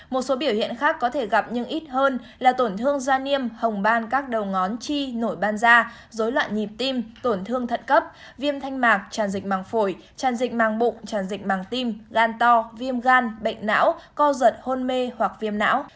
một số biểu hiện khác có thể gặp nhưng ít hơn là tổn thương da niêm hồng ban các đầu ngón chi nổi ban da dối loạn nhịp tim tổn thương thận cấp viêm thanh mạc tràn dịch màng phổi tràn dịch màng bụng tràn dịch màng tim gan to viêm gan bệnh não co giật hôn mê hoặc viêm não